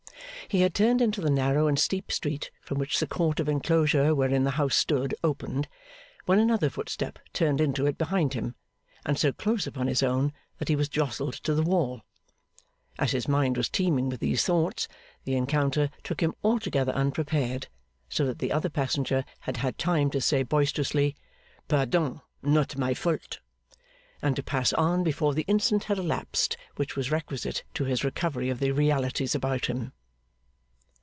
He had turned into the narrow and steep street from which the court of enclosure wherein the house stood opened, when another footstep turned into it behind him, and so close upon his own that he was jostled to the wall. As his mind was teeming with these thoughts, the encounter took him altogether unprepared, so that the other passenger had had time to say, boisterously, 'Pardon! Not my fault!' and to pass on before the instant had elapsed which was requisite to his recovery of the realities about him.